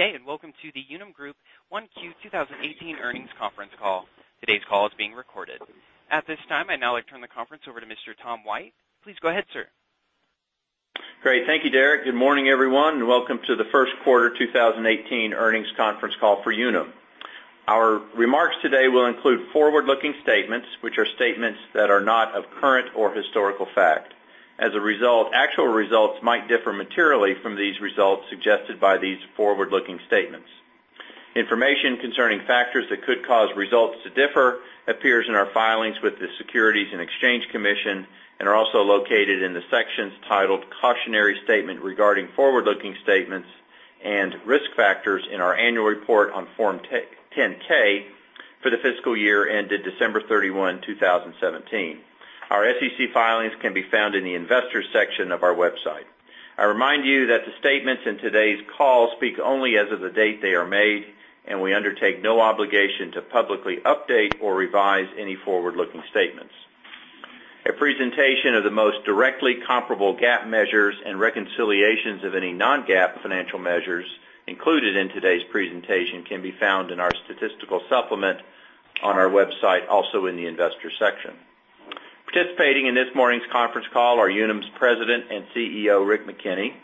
Good day, welcome to the Unum Group 1Q 2018 Earnings Conference Call. Today's call is being recorded. At this time, I'd now like to turn the conference over to Mr. Tom White. Please go ahead, sir. Great. Thank you, Derek. Good morning, everyone, welcome to the first quarter 2018 earnings conference call for Unum. Our remarks today will include forward-looking statements, which are statements that are not of current or historical fact. As a result, actual results might differ materially from these results suggested by these forward-looking statements. Information concerning factors that could cause results to differ appears in our filings with the Securities and Exchange Commission and are also located in the sections titled Cautionary Statement Regarding Forward-Looking Statements and Risk Factors in our Annual Report on Form 10-K for the fiscal year ended December 31, 2017. Our SEC filings can be found in the Investors section of our website. I remind you that the statements in today's call speak only as of the date they are made, we undertake no obligation to publicly update or revise any forward-looking statements. A presentation of the most directly comparable GAAP measures and reconciliations of any non-GAAP financial measures included in today's presentation can be found in our statistical supplement on our website, also in the Investors section. Participating in this morning's conference call are Unum's President and CEO, Rick McKenney,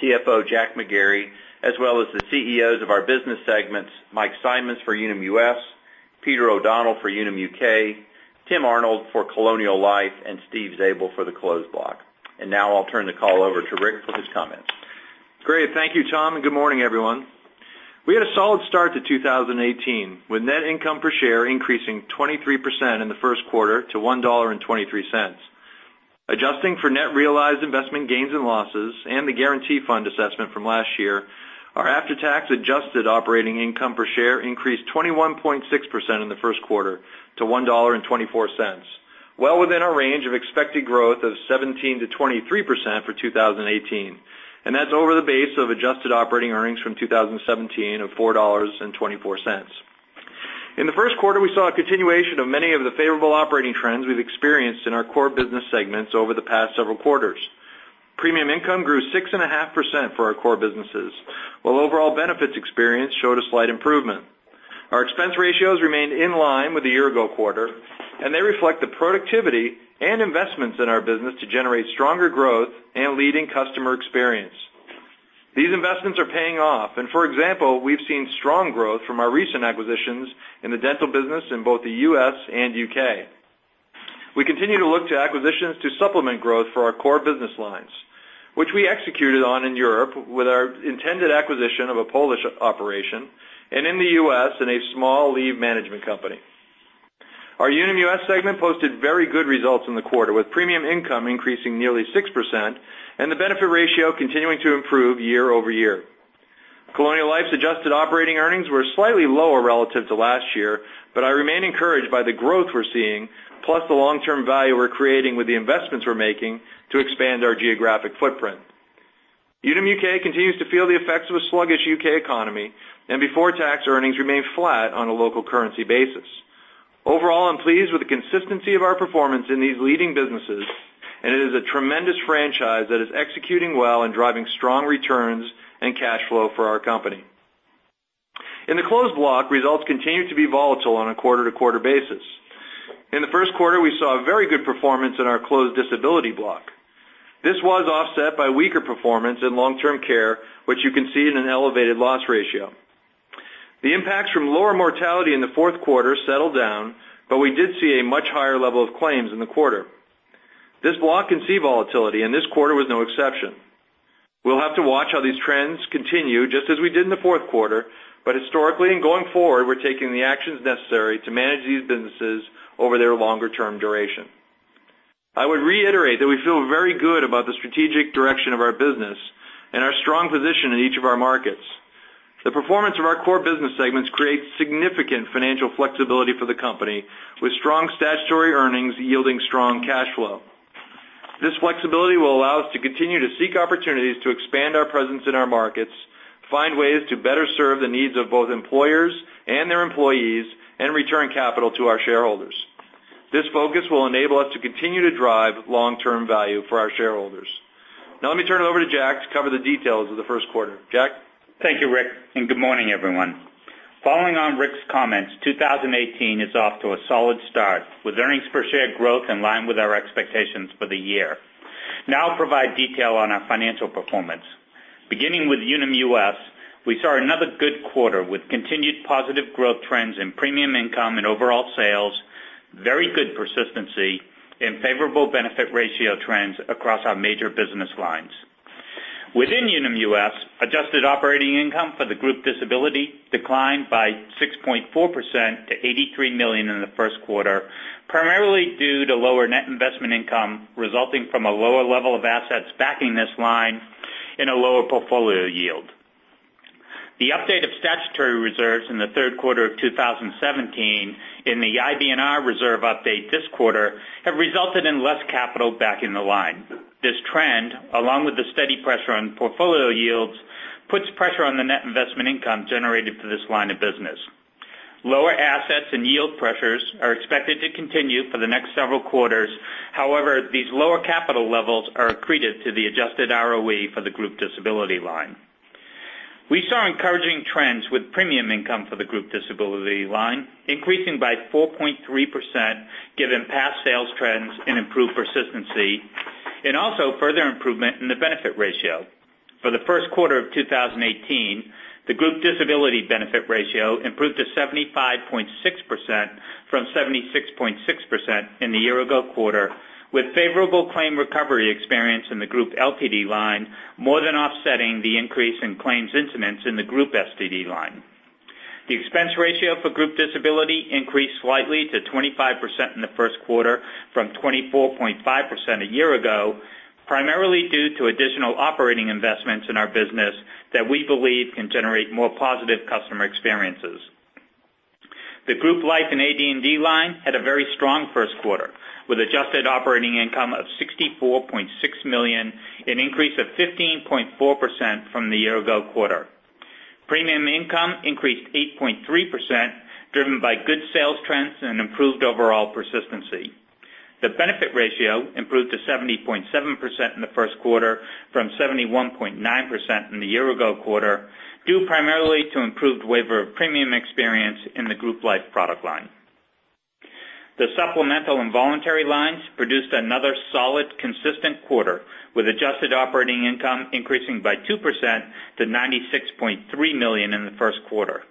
CFO, Jack McGarry, as well as the CEOs of our business segments, Mike Simonds for Unum US, Peter O'Donnell for Unum UK, Tim Arnold for Colonial Life, and Steve Zabel for the Closed Block. Now I'll turn the call over to Rick for his comments. Great. Thank you, Tom, good morning, everyone. We had a solid start to 2018, with net income per share increasing 23% in the first quarter to $1.23. Adjusting for net realized investment gains and losses and the guarantee fund assessment from last year, our after-tax adjusted operating income per share increased 21.6% in the first quarter to $1.24, well within our range of expected growth of 17%-23% for 2018. That's over the base of adjusted operating earnings from 2017 of $4.24. In the first quarter, we saw a continuation of many of the favorable operating trends we've experienced in our core business segments over the past several quarters. Premium income grew 6.5% for our core businesses, while overall benefits experience showed a slight improvement. Our expense ratios remained in line with the year-ago quarter. They reflect the productivity and investments in our business to generate stronger growth and leading customer experience. These investments are paying off. For example, we've seen strong growth from our recent acquisitions in the dental business in both the U.S. and U.K. We continue to look to acquisitions to supplement growth for our core business lines, which we executed on in Europe with our intended acquisition of a Polish operation and in the U.S. in a small leave management company. Our Unum US segment posted very good results in the quarter, with premium income increasing nearly 6% and the benefit ratio continuing to improve year-over-year. Colonial Life's adjusted operating earnings were slightly lower relative to last year, but I remain encouraged by the growth we're seeing, plus the long-term value we're creating with the investments we're making to expand our geographic footprint. Unum UK continues to feel the effects of a sluggish U.K. economy. Before-tax earnings remain flat on a local currency basis. Overall, I'm pleased with the consistency of our performance in these leading businesses. It is a tremendous franchise that is executing well and driving strong returns and cash flow for our company. In the Closed Block, results continue to be volatile on a quarter-to-quarter basis. In the first quarter, we saw a very good performance in our Closed Disability Block. This was offset by weaker performance in long-term care, which you can see in an elevated loss ratio. The impacts from lower mortality in the fourth quarter settled down, but we did see a much higher level of claims in the quarter. This block can see volatility. This quarter was no exception. We'll have to watch how these trends continue, just as we did in the fourth quarter, but historically and going forward, we're taking the actions necessary to manage these businesses over their longer-term duration. I would reiterate that we feel very good about the strategic direction of our business and our strong position in each of our markets. The performance of our core business segments creates significant financial flexibility for the company, with strong statutory earnings yielding strong cash flow. This flexibility will allow us to continue to seek opportunities to expand our presence in our markets, find ways to better serve the needs of both employers and their employees, and return capital to our shareholders. This focus will enable us to continue to drive long-term value for our shareholders. Now let me turn it over to Jack to cover the details of the first quarter. Jack? Thank you, Rick, and good morning, everyone. Following on Rick's comments, 2018 is off to a solid start, with earnings per share growth in line with our expectations for the year. Now I'll provide detail on our financial performance. Beginning with Unum US, we saw another good quarter with continued positive growth trends in premium income and overall sales, very good persistency, and favorable benefit ratio trends across our major business lines. Within Unum US, adjusted operating income for the group disability declined by 6.4% to $83 million in the first quarter, primarily due to lower net investment income resulting from a lower level of assets backing this line in a lower portfolio yield. The update of statutory reserves in the third quarter of 2017 in the IBNR reserve update this quarter have resulted in less capital back in the line. This trend, along with the steady pressure on portfolio yields, puts pressure on the net investment income generated for this line of business. Lower assets and yield pressures are expected to continue for the next several quarters. However, these lower capital levels are accretive to the adjusted ROE for the group disability line. We saw encouraging trends with premium income for the group disability line increasing by 4.3% given past sales trends and improved persistency, and also further improvement in the benefit ratio. For the first quarter of 2018, the group disability benefit ratio improved to 75.6% from 76.6% in the year ago quarter, with favorable claim recovery experience in the group LTD line more than offsetting the increase in claims incidents in the group STD line. The expense ratio for group disability increased slightly to 25% in the first quarter from 24.5% a year ago, primarily due to additional operating investments in our business that we believe can generate more positive customer experiences. The group life and AD&D line had a very strong first quarter with adjusted operating income of $64.6 million, an increase of 15.4% from the year ago quarter. Premium income increased 8.3%, driven by good sales trends and improved overall persistency. The benefit ratio improved to 70.7% in the first quarter from 71.9% in the year ago quarter, due primarily to improved waiver of premium experience in the group life product line. The supplemental and voluntary lines produced another solid, consistent quarter, with adjusted operating income increasing by 2% to $96.3 million in the first quarter.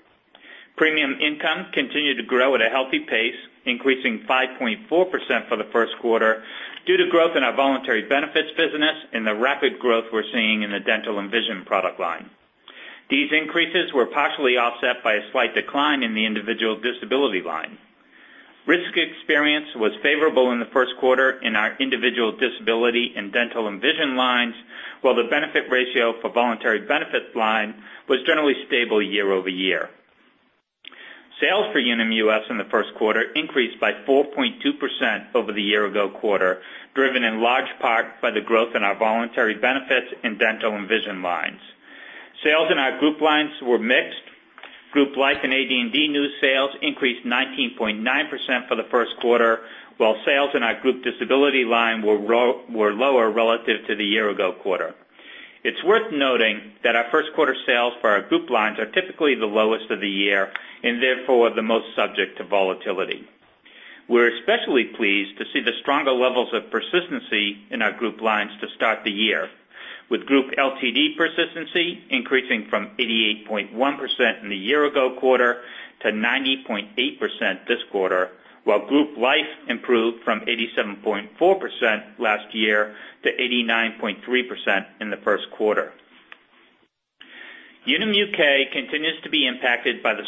Premium income continued to grow at a healthy pace, increasing 5.4% for the first quarter due to growth in our voluntary benefits business and the rapid growth we're seeing in the dental and vision product line. These increases were partially offset by a slight decline in the individual disability line. Risk experience was favorable in the first quarter in our individual disability in dental and vision lines, while the benefit ratio for voluntary benefits line was generally stable year-over-year. Sales for Unum US in the first quarter increased by 4.2% over the year ago quarter, driven in large part by the growth in our voluntary benefits in dental and vision lines. Sales in our group lines were mixed. Group life and AD&D new sales increased 19.9% for the first quarter, while sales in our group disability line were lower relative to the year ago quarter. It's worth noting that our first quarter sales for our group lines are typically the lowest of the year, and therefore, the most subject to volatility. We're especially pleased to see the stronger levels of persistency in our group lines to start the year with group LTD persistency increasing from 88.1% in the year-ago quarter to 90.8% this quarter, while group life improved from 87.4% last year to 89.3% in the first quarter. Unum UK continues to be impacted by the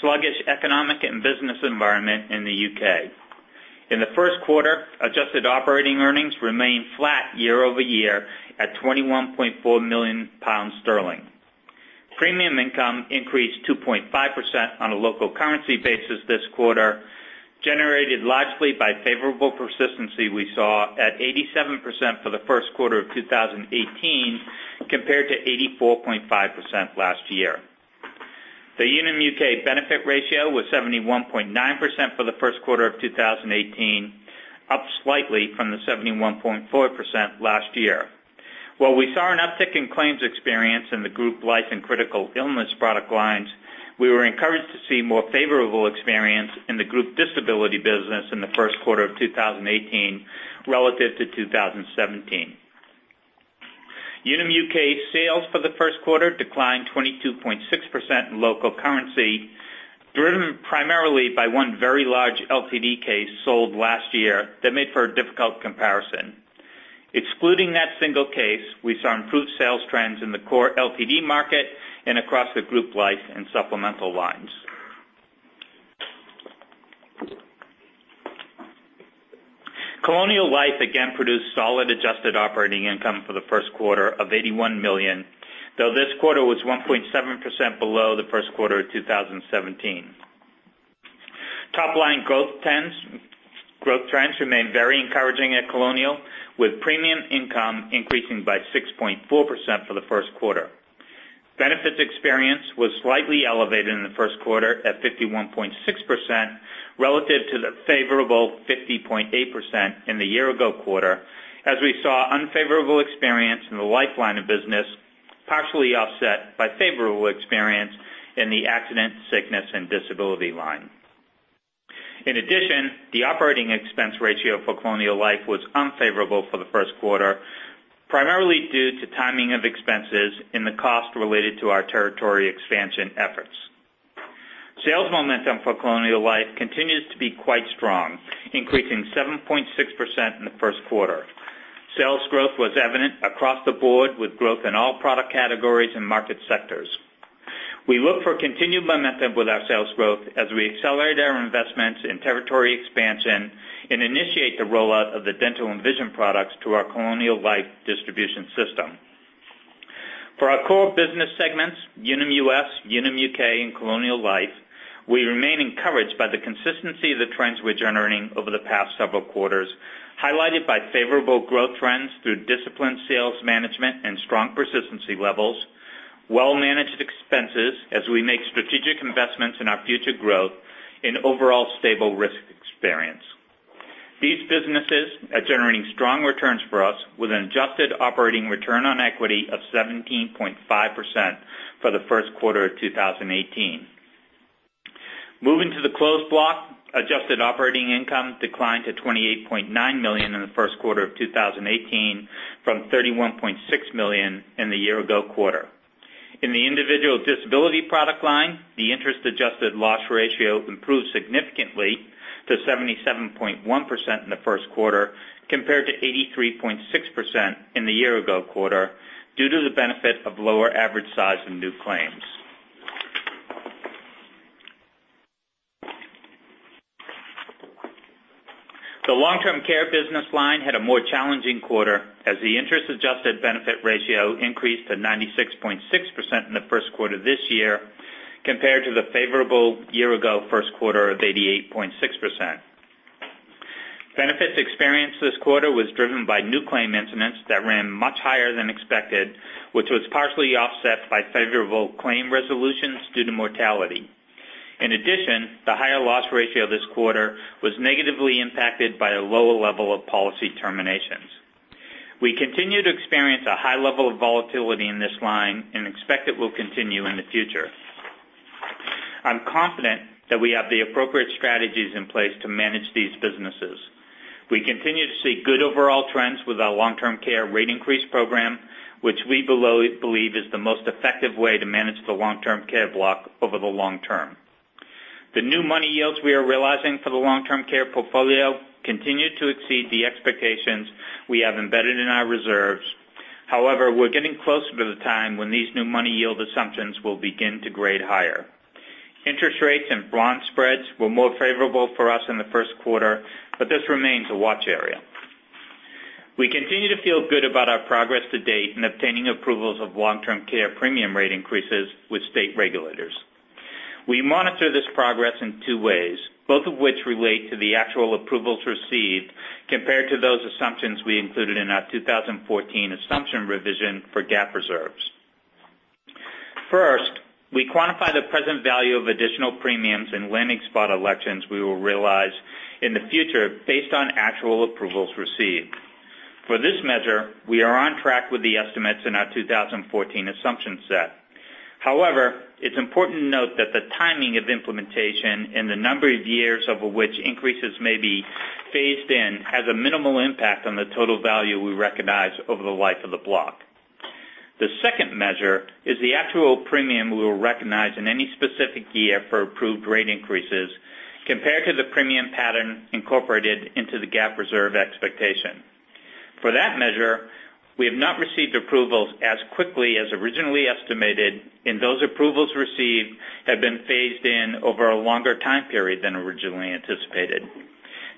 sluggish economic and business environment in the U.K. In the first quarter, adjusted operating earnings remained flat year-over-year at 21.4 million pounds. Premium income increased 2.5% on a local currency basis this quarter, generated largely by favorable persistency we saw at 87% for the first quarter of 2018, compared to 84.5% last year. The Unum UK benefit ratio was 71.9% for the first quarter of 2018, up slightly from the 71.4% last year. While we saw an uptick in claims experience in the group life and critical illness product lines, we were encouraged to see more favorable experience in the group disability business in the first quarter of 2018 relative to 2017. Unum UK sales for the first quarter declined 22.6% in local currency, driven primarily by one very large LTD case sold last year that made for a difficult comparison. Excluding that single case, we saw improved sales trends in the core LTD market and across the group life and supplemental lines. Colonial Life again produced solid adjusted operating income for the first quarter of $81 million, though this quarter was 1.7% below the first quarter of 2017. Top-line growth trends remain very encouraging at Colonial, with premium income increasing by 6.4% for the first quarter. Benefits experience was slightly elevated in the first quarter at 51.6%, relative to the favorable 50.8% in the year-ago quarter, as we saw unfavorable experience in the life line of business, partially offset by favorable experience in the accident, sickness, and disability line. In addition, the operating expense ratio for Colonial Life was unfavorable for the first quarter, primarily due to timing of expenses and the cost related to our territory expansion efforts. Sales momentum for Colonial Life continues to be quite strong, increasing 7.6% in the first quarter. Sales growth was evident across the board with growth in all product categories and market sectors. We look for continued momentum with our sales growth as we accelerate our investments in territory expansion and initiate the rollout of the dental and vision products to our Colonial Life distribution system. For our core business segments, Unum US, Unum UK, and Colonial Life, we remain encouraged by the consistency of the trends we're generating over the past several quarters, highlighted by favorable growth trends through disciplined sales management and strong persistency levels, well-managed expenses as we make strategic investments in our future growth, and overall stable risk experience. These businesses are generating strong returns for us with an adjusted operating return on equity of 17.5% for the first quarter of 2018. Moving to the Closed Block, adjusted operating income declined to $28.9 million in the first quarter of 2018 from $31.6 million in the year-ago quarter. In the individual disability product line, the interest-adjusted loss ratio improved significantly to 77.1% in the first quarter, compared to 83.6% in the year-ago quarter, due to the benefit of lower average size in new claims. The long-term care business line had a more challenging quarter as the interest-adjusted benefit ratio increased to 96.6% in the first quarter of this year, compared to the favorable year-ago first quarter of 88.6%. Benefits experienced this quarter was driven by new claim incidents that ran much higher than expected, which was partially offset by favorable claim resolutions due to mortality. In addition, the higher loss ratio this quarter was negatively impacted by a lower level of policy terminations. We continue to experience a high level of volatility in this line and expect it will continue in the future. I'm confident that we have the appropriate strategies in place to manage these businesses. We continue to see good overall trends with our long-term care rate increase program, which we believe is the most effective way to manage the long-term care block over the long term. The new money yields we are realizing for the long-term care portfolio continue to exceed the expectations we have embedded in our reserves. We're getting closer to the time when these new money yield assumptions will begin to grade higher. Interest rates and bond spreads were more favorable for us in the first quarter, this remains a watch area. We continue to feel good about our progress to date in obtaining approvals of long-term care premium rate increases with state regulators. We monitor this progress in two ways, both of which relate to the actual approvals received compared to those assumptions we included in our 2014 assumption revision for GAAP reserves. First, we quantify the present value of additional premiums and landing spot elections we will realize in the future based on actual approvals received. For this measure, we are on track with the estimates in our 2014 assumption set. However, it's important to note that the timing of implementation and the number of years over which increases may be phased in has a minimal impact on the total value we recognize over the life of the block. The second measure is the actual premium we will recognize in any specific year for approved rate increases compared to the premium pattern incorporated into the GAAP reserve expectation. For that measure, we have not received approvals as quickly as originally estimated, and those approvals received have been phased in over a longer time period than originally anticipated.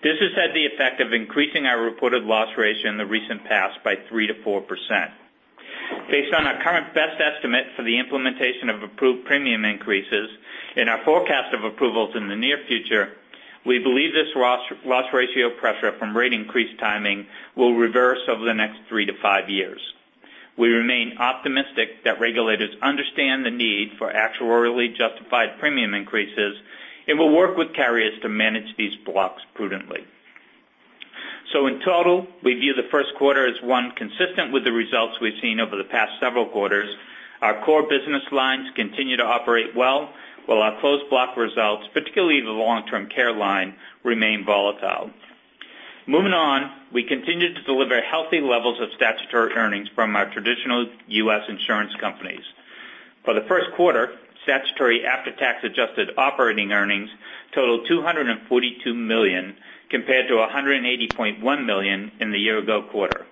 This has had the effect of increasing our reported loss ratio in the recent past by 3%-4%. Based on our current best estimate for the implementation of approved premium increases and our forecast of approvals in the near future, we believe this loss ratio pressure from rate increase timing will reverse over the next three to five years. We remain optimistic that regulators understand the need for actuarially justified premium increases and will work with carriers to manage these blocks prudently. In total, we view the first quarter as one consistent with the results we've seen over the past several quarters. Our core business lines continue to operate well, while our Closed Block results, particularly the long-term care line, remain volatile. Moving on, we continue to deliver healthy levels of statutory earnings from our traditional U.S. insurance companies. For the first quarter, statutory after-tax adjusted operating earnings totaled $242 million, compared to $180.1 million in the year-ago quarter.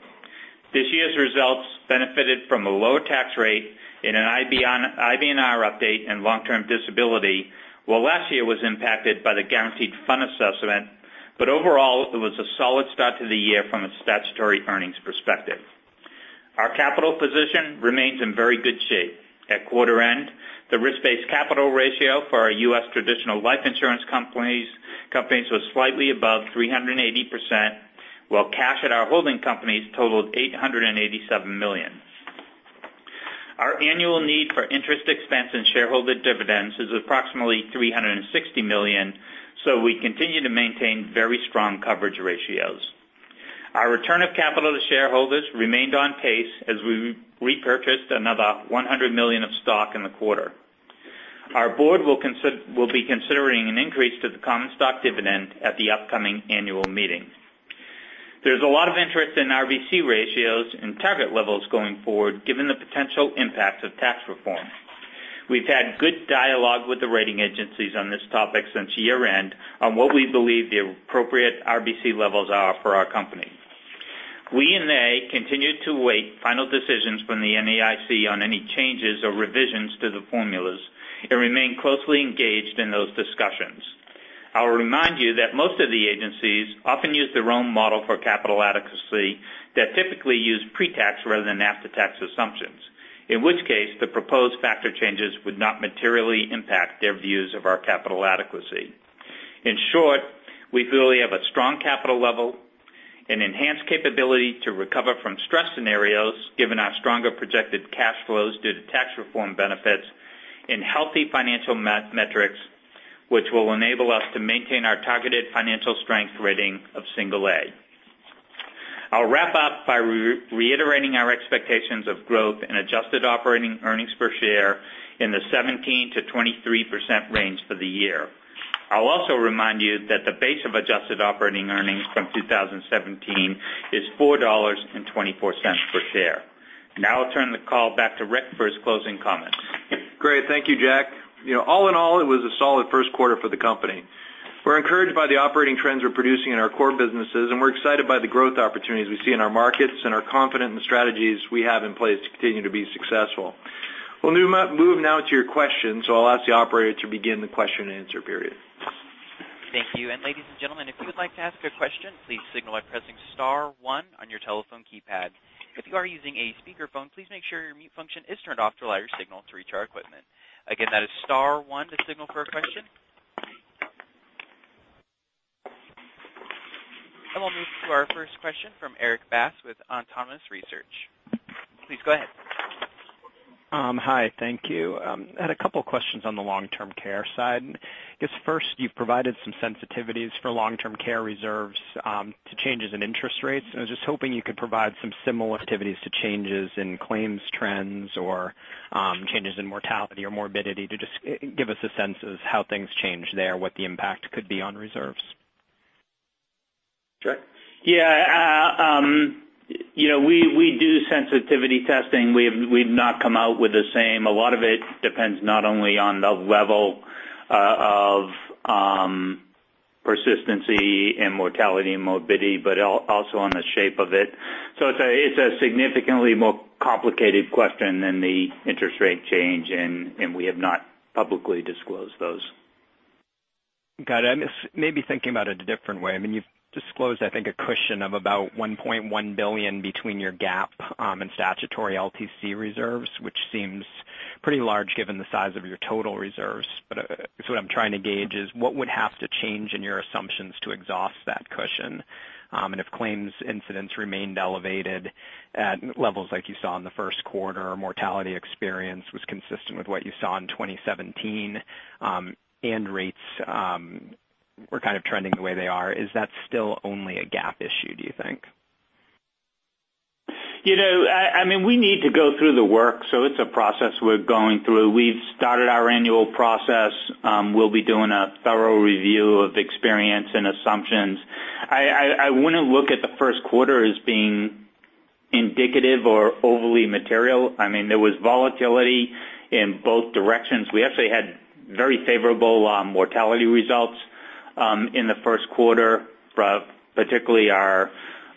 This year's results benefited from a lower tax rate and an IBNR update and long-term disability, while last year was impacted by the guaranteed fund assessment. Overall, it was a solid start to the year from a statutory earnings perspective. Our capital position remains in very good shape. At quarter end, the risk-based capital ratio for our U.S. traditional life insurance companies was slightly above 380%, while cash at our holding companies totaled $887 million. Our annual need for interest expense and shareholder dividends is approximately $360 million. We continue to maintain very strong coverage ratios. Our return of capital to shareholders remained on pace as we repurchased another $100 million of stock in the quarter. Our board will be considering an increase to the common stock dividend at the upcoming annual meeting. There's a lot of interest in RBC ratios and target levels going forward, given the potential impacts of tax reform. We've had good dialogue with the rating agencies on this topic since year-end on what we believe the appropriate RBC levels are for our company. We and they continue to await final decisions from the NAIC on any changes or revisions to the formulas and remain closely engaged in those discussions. I'll remind you that most of the agencies often use their own model for capital adequacy that typically use pre-tax rather than after-tax assumptions. The proposed factor changes would not materially impact their views of our capital adequacy. We feel we have a strong capital level, an enhanced capability to recover from stress scenarios, given our stronger projected cash flows due to tax reform benefits, and healthy financial metrics, which will enable us to maintain our targeted financial strength rating of single A. I'll wrap up by reiterating our expectations of growth in adjusted operating earnings per share in the 17%-23% range for the year. I'll also remind you that the base of adjusted operating earnings from 2017 is $4.24 per share. I'll turn the call back to Rick for his closing comments. Great. Thank you, Jack. It was a solid first quarter for the company. We're encouraged by the operating trends we're producing in our core businesses, and we're excited by the growth opportunities we see in our markets and are confident in the strategies we have in place to continue to be successful. We'll move now to your questions. I'll ask the operator to begin the question and answer period. Thank you. Ladies and gentlemen, if you would like to ask a question, please signal by pressing star one on your telephone keypad. If you are using a speakerphone, please make sure your mute function is turned off to allow your signal to reach our equipment. Again, that is star one to signal for a question. We'll move to our first question from Erik Bass with Autonomous Research. Please go ahead. Hi, thank you. I had a couple questions on the long-term care side. I guess first, you've provided some sensitivities for long-term care reserves to changes in interest rates. I was just hoping you could provide some sensitivities to changes in claims trends or changes in mortality or morbidity to just give us a sense of how things change there, what the impact could be on reserves. Jack? Yeah. We do sensitivity testing. We've not come out with the same. A lot of it depends not only on the level of persistency in mortality and morbidity, but also on the shape of it. It's a significantly more complicated question than the interest rate change. We have not publicly disclosed those. Got it. I'm just maybe thinking about it a different way. You've disclosed, I think, a cushion of about $1.1 billion between your GAAP and statutory LTC reserves, which seems pretty large given the size of your total reserves. What I'm trying to gauge is what would have to change in your assumptions to exhaust that cushion? If claims incidents remained elevated at levels like you saw in the first quarter, mortality experience was consistent with what you saw in 2017, rates were kind of trending the way they are, is that still only a GAAP issue, do you think? It's a process we're going through. We've started our annual process. We'll be doing a thorough review of the experience and assumptions. I wouldn't look at the first quarter as being indicative or overly material. There was volatility in both directions. We actually had very favorable mortality results in the first quarter, particularly our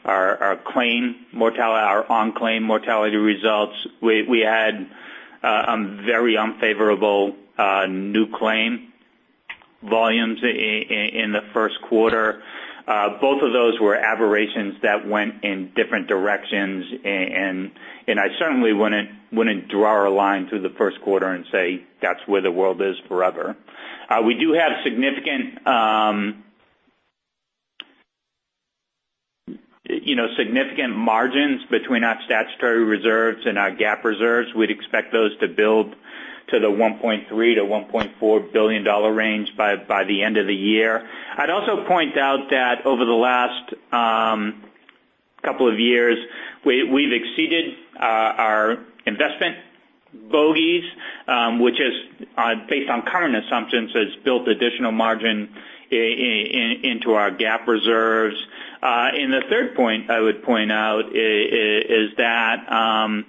on-claim mortality results. We had very unfavorable new claim volumes in the first quarter. Both of those were aberrations that went in different directions. I certainly wouldn't draw a line through the first quarter and say that's where the world is forever. We do have significant margins between our statutory reserves and our GAAP reserves. We'd expect those to build to the $1.3 billion-$1.4 billion range by the end of the year. I'd also point out that over the last couple of years, we've exceeded our investment bogeys, which is based on current assumptions, has built additional margin into our GAAP reserves. The third point I would point out is that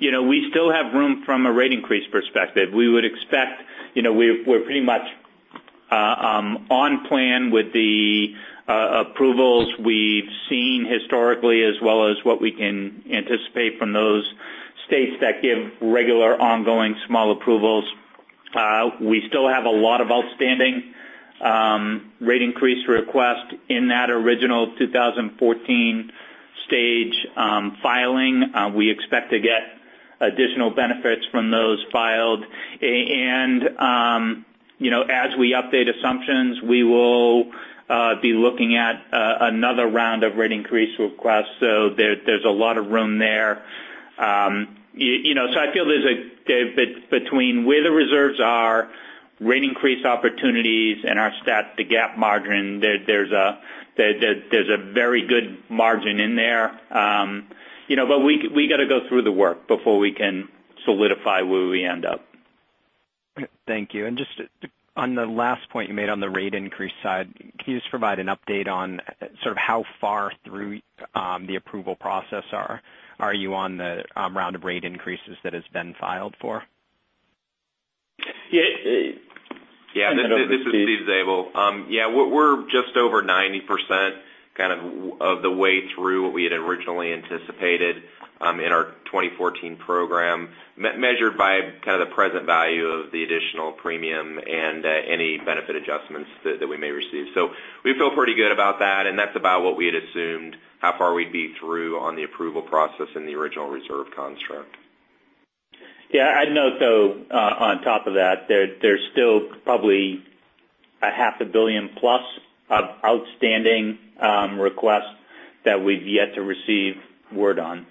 we still have room from a rate increase perspective. We're pretty much on plan with the approvals we've seen historically as well as what we can anticipate from those states that give regular, ongoing small approvals. We still have a lot of outstanding rate increase requests in that original 2014 stage filing. We expect to get additional benefits from those filed. As we update assumptions, we will be looking at another round of rate increase requests. There's a lot of room there. I feel between where the reserves are, rate increase opportunities, and our stat to GAAP margin, there's a very good margin in there. We got to go through the work before we can solidify where we end up. Thank you. Just on the last point you made on the rate increase side, can you just provide an update on sort of how far through the approval process are you on the round of rate increases that has been filed for? Yeah. This is Steve Zabel. Yeah, we're just over 90% of the way through what we had originally anticipated in our 2014 program, measured by kind of the present value of the additional premium and any benefit adjustments that we may receive. We feel pretty good about that, and that's about what we had assumed how far we'd be through on the approval process in the original reserve construct. Yeah, I'd note though, on top of that, there's still probably a half a billion plus of outstanding requests that we've yet to receive word on.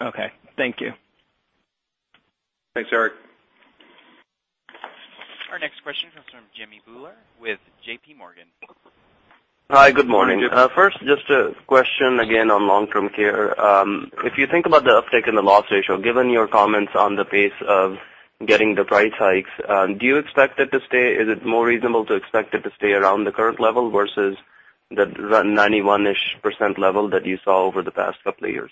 Okay. Thank you. Thanks, Erik. Our next question comes from Jimmy Bhullar with J.P. Morgan. Hi, good morning. Good morning, Jimmy. First, just a question again on long-term care. If you think about the uptick in the loss ratio, given your comments on the pace of getting the price hikes, do you expect it to stay? Is it more reasonable to expect it to stay around the current level versus the 91-ish% level that you saw over the past couple of years?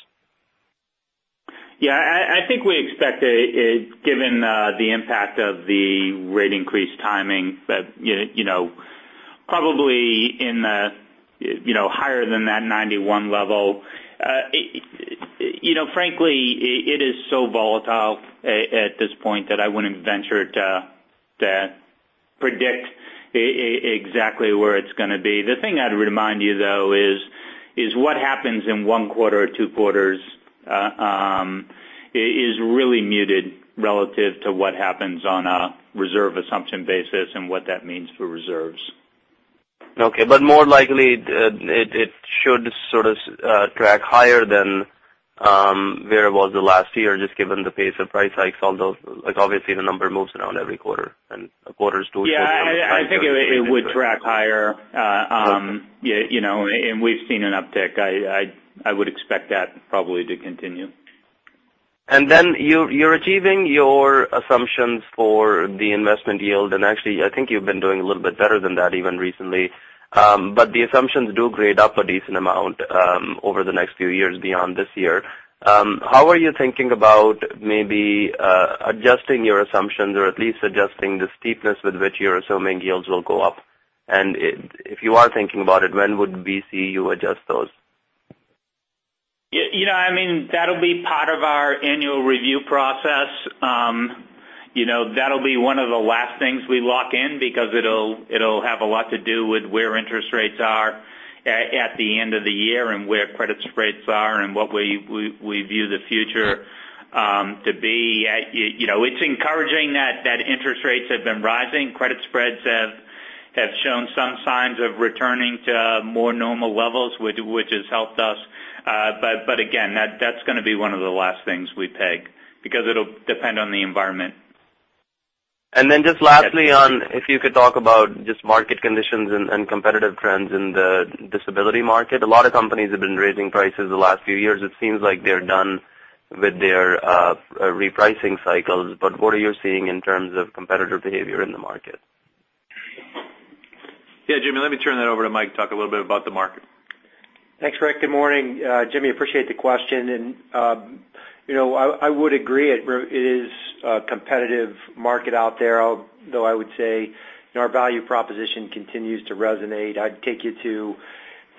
Yeah, I think we expect it, given the impact of the rate increase timing, probably higher than that 91 level. Frankly, it is so volatile at this point that I wouldn't venture to predict exactly where it's going to be. The thing I'd remind you, though, is what happens in one quarter or two quarters is really muted relative to what happens on a reserve assumption basis and what that means for reserves. Okay. More likely, it should sort of track higher than where it was the last year, just given the pace of price hikes, although obviously the number moves around every quarter. Yeah, I think it would track higher. Okay. We've seen an uptick. I would expect that probably to continue. You're achieving your assumptions for the investment yield, and actually, I think you've been doing a little bit better than that even recently. The assumptions do grade up a decent amount over the next few years beyond this year. How are you thinking about maybe adjusting your assumptions or at least adjusting the steepness with which you're assuming yields will go up? If you are thinking about it, when would we see you adjust those? That'll be part of our annual review process. That'll be one of the last things we lock in because it'll have a lot to do with where interest rates are at the end of the year and where credit spreads are and what we view the future to be. It's encouraging that interest rates have been rising. Credit spreads have shown some signs of returning to more normal levels, which has helped us. Again, that's going to be one of the last things we peg because it'll depend on the environment. Just lastly on if you could talk about just market conditions and competitive trends in the disability market. A lot of companies have been raising prices the last few years. It seems like they're done with their repricing cycles, but what are you seeing in terms of competitor behavior in the market? Jimmy, let me turn that over to Mike to talk a little bit about the market. Thanks, Rick. Good morning, Jimmy. Appreciate the question, and I would agree, it is a competitive market out there, though I would say our value proposition continues to resonate. I'd take you to,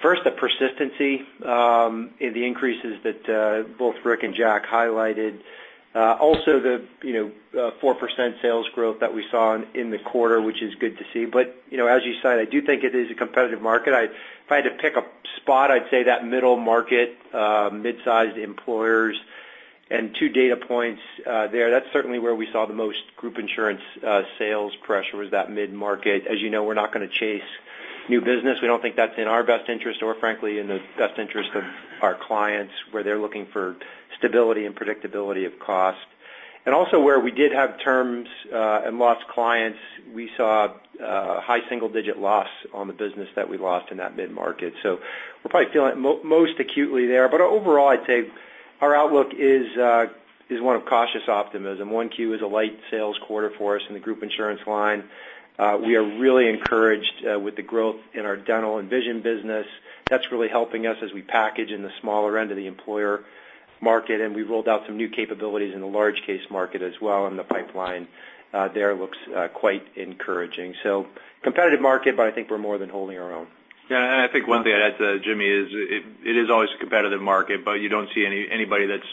first, the persistency, the increases that both Rick and Jack highlighted. Also the 4% sales growth that we saw in the quarter, which is good to see. As you said, I do think it is a competitive market. If I had to pick a spot, I'd say that middle market, mid-sized employers, and two data points there. That's certainly where we saw the most group insurance sales pressure was that mid-market. As you know, we're not going to chase new business. We don't think that's in our best interest or frankly, in the best interest of our clients, where they're looking for stability and predictability of cost. Also where we did have terms and lost clients, we saw a high single-digit loss on the business that we lost in that mid-market. We're probably feeling it most acutely there. Overall, I'd say our outlook is one of cautious optimism. Q1 is a light sales quarter for us in the group insurance line. We are really encouraged with the growth in our dental and vision business. That's really helping us as we package in the smaller end of the employer market, and we've rolled out some new capabilities in the large case market as well, and the pipeline there looks quite encouraging. Competitive market, but I think we're more than holding our own. I think one thing I'd add to that, Jimmy, is it is always a competitive market, but you don't see anybody that's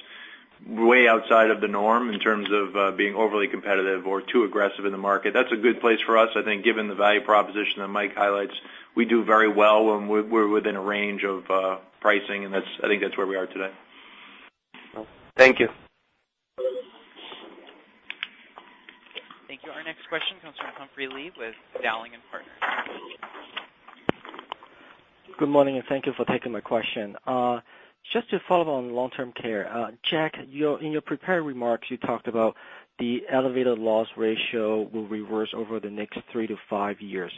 way outside of the norm in terms of being overly competitive or too aggressive in the market. That's a good place for us. I think given the value proposition that Mike highlights, we do very well when we're within a range of pricing, and I think that's where we are today. Thank you. Thank you. Our next question comes from Humphrey Lee with Dowling & Partners. Good morning, and thank you for taking my question. Just to follow on long-term care, Jack, in your prepared remarks, you talked about the elevated loss ratio will reverse over the next three to five years.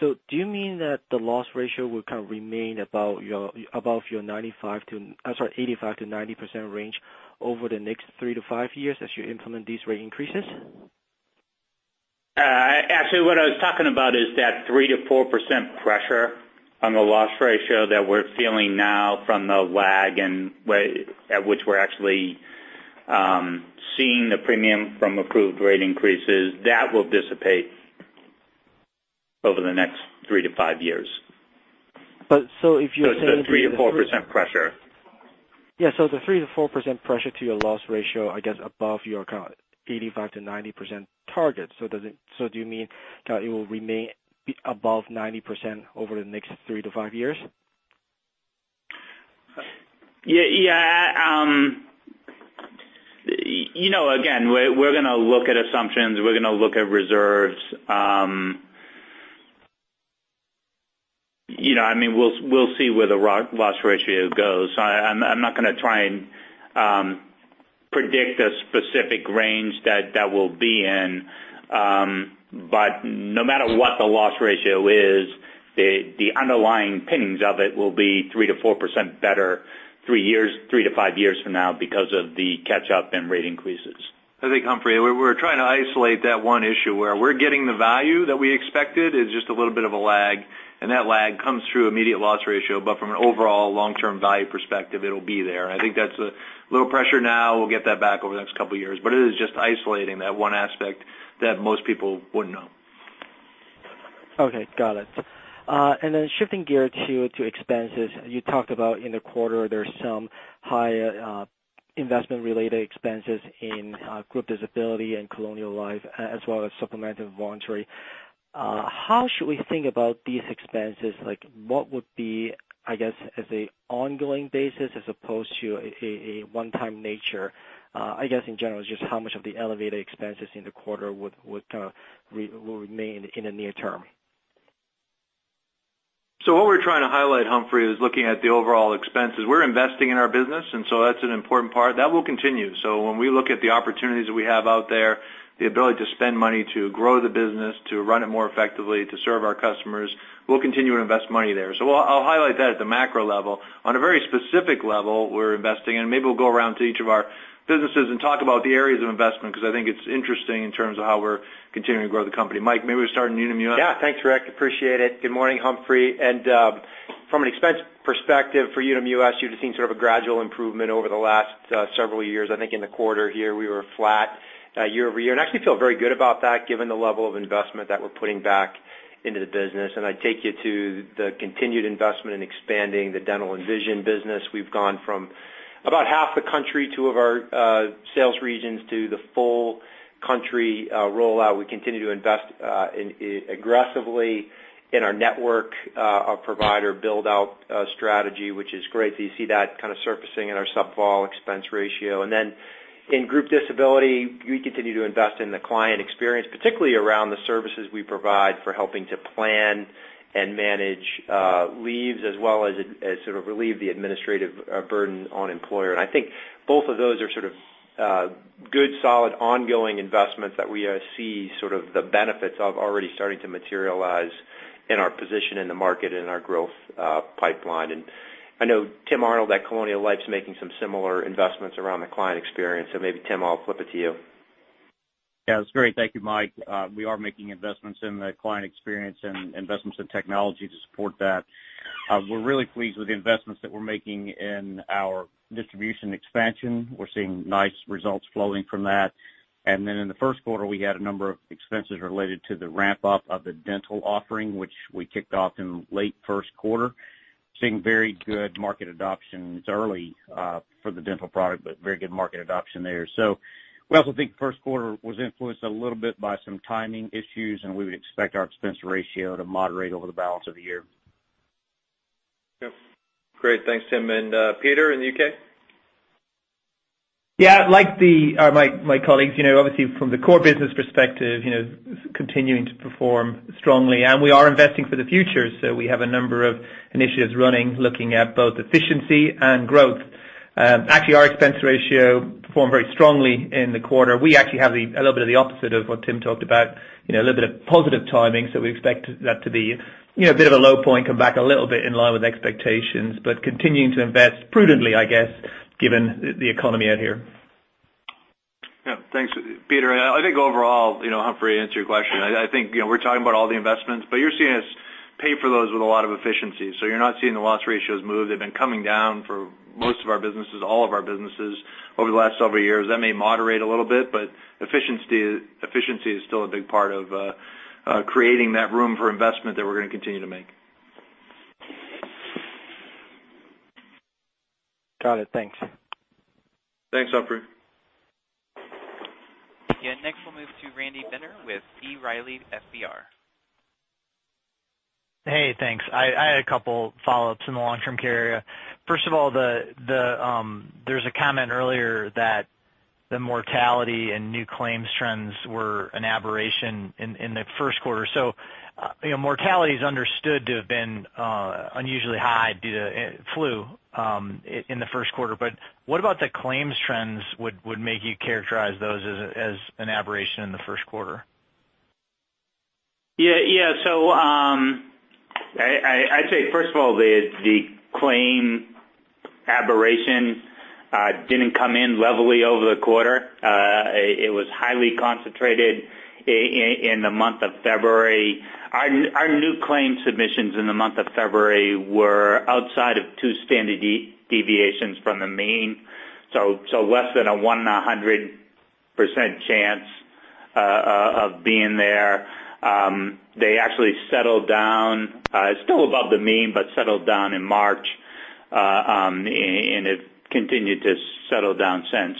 Do you mean that the loss ratio will kind of remain above your 85%-90% range over the next three to five years as you implement these rate increases? Actually, what I was talking about is that 3%-4% pressure on the loss ratio that we're feeling now from the lag at which we're actually seeing the premium from approved rate increases, that will dissipate over the next three to five years. But so if you're saying- The 3%-4% pressure. Yeah, the 3%-4% pressure to your loss ratio, I guess above your 85%-90% target. Do you mean that it will remain above 90% over the next three to five years? Yeah. Again, we're going to look at assumptions, we're going to look at reserves. We'll see where the loss ratio goes. I'm not going to try and predict a specific range that we'll be in. No matter what the loss ratio is, the underlying underpinnings of it will be 3%-4% better three to five years from now because of the catch-up and rate increases. I think, Humphrey, we're trying to isolate that one issue where we're getting the value that we expected is just a little bit of a lag, and that lag comes through immediate loss ratio. From an overall long-term value perspective, it'll be there. I think that's a little pressure now. We'll get that back over the next couple of years. It is just isolating that one aspect that most people wouldn't know. Okay, got it. Then shifting gear to expenses. You talked about in the quarter there's some high investment-related expenses in group disability and Colonial Life, as well as supplemental and voluntary. How should we think about these expenses? What would be, I guess, as an ongoing basis as opposed to a one-time nature? I guess in general, just how much of the elevated expenses in the quarter will remain in the near term? What we're trying to highlight, Humphrey, is looking at the overall expenses. We're investing in our business, that's an important part. That will continue. When we look at the opportunities that we have out there, the ability to spend money to grow the business, to run it more effectively, to serve our customers, we'll continue to invest money there. I'll highlight that at the macro level. On a very specific level, we're investing, maybe we'll go around to each of our businesses and talk about the areas of investment, because I think it's interesting in terms of how we're continuing to grow the company. Mike, maybe we start in Unum US. Yeah. Thanks, Rick. Appreciate it. Good morning, Humphrey. From an expense perspective for Unum US, you're just seeing sort of a gradual improvement over the last several years. I think in the quarter here, we were flat year-over-year. I actually feel very good about that given the level of investment that we're putting back into the business. I'd take you to the continued investment in expanding the dental and vision business. We've gone from about half the country, two of our sales regions to the full country rollout. We continue to invest aggressively in our network of provider build-out strategy, which is great. You see that kind of surfacing in our supp/vol expense ratio. In group disability, we continue to invest in the client experience, particularly around the services we provide for helping to plan and manage leaves as well as sort of relieve the administrative burden on employer. I think both of those are sort of good, solid, ongoing investments that we see sort of the benefits of already starting to materialize in our position in the market and in our growth pipeline. I know Tim Arnold at Colonial Life's making some similar investments around the client experience. Maybe, Tim, I'll flip it to you. Yeah, that's great. Thank you, Mike. We are making investments in the client experience and investments in technology to support that. We're really pleased with the investments that we're making in our distribution expansion. We're seeing nice results flowing from that. In the first quarter, we had a number of expenses related to the ramp-up of the dental offering, which we kicked off in late first quarter. Seeing very good market adoptions early for the dental product. Very good market adoption there. We also think first quarter was influenced a little bit by some timing issues. We would expect our expense ratio to moderate over the balance of the year. Yep. Great. Thanks, Tim. Peter in the U.K.? Yeah. Like my colleagues, obviously from the core business perspective, continuing to perform strongly. We are investing for the future. We have a number of initiatives running, looking at both efficiency and growth. Actually, our expense ratio performed very strongly in the quarter. We actually have a little bit of the opposite of what Tim talked about, a little bit of positive timing. We expect that to be a bit of a low point, come back a little bit in line with expectations, but continuing to invest prudently, I guess, given the economy out here. Yeah. Thanks, Peter. I think overall, Humphrey, to answer your question, I think we're talking about all the investments, but you're seeing us pay for those with a lot of efficiency. You're not seeing the loss ratios move. They've been coming down for most of our businesses, all of our businesses over the last several years. That may moderate a little bit, but efficiency is still a big part of creating that room for investment that we're going to continue to make. Got it. Thanks. Thanks, Humphrey. Yeah, next we'll move to Randy Binner with B. Riley FBR. Hey, thanks. I had a couple follow-ups in the long-term care area. First of all, there's a comment earlier that the mortality and new claims trends were an aberration in the first quarter. Mortality is understood to have been unusually high due to flu in the first quarter. What about the claims trends would make you characterize those as an aberration in the first quarter? Yeah. I'd say, first of all, the claim aberration didn't come in levelly over the quarter. It was highly concentrated in the month of February. Our new claim submissions in the month of February were outside of two standard deviations from the mean, so less than a 100% chance of being there. They actually settled down, still above the mean, settled down in March, and it continued to settle down since.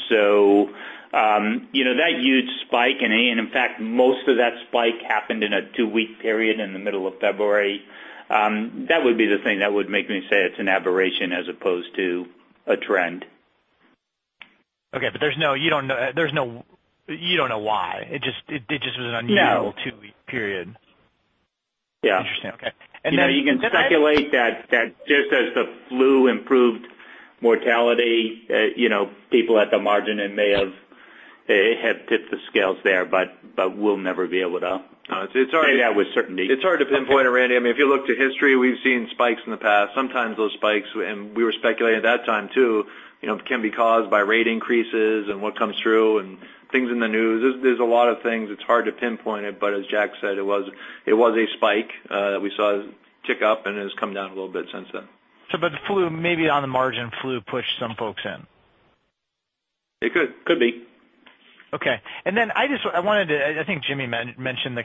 That huge spike in A, and in fact, most of that spike happened in a two-week period in the middle of February. That would be the thing that would make me say it's an aberration as opposed to a trend. Okay, you don't know why. It just was an unusual- No two-week period. Yeah. Interesting. Okay. You can speculate that just as the flu improved mortality, people at the margin, it may have tipped the scales there, but we'll never be able to say that with certainty. It's hard to pinpoint it, Randy. If you look to history, we've seen spikes in the past, sometimes those spikes, and we were speculating at that time, too, can be caused by rate increases and what comes through and things in the news. There's a lot of things. It's hard to pinpoint it, but as Jack said, it was a spike that we saw tick up, and it has come down a little bit since then. Maybe on the margin, flu pushed some folks in. It could be. Okay. I think Jimmy mentioned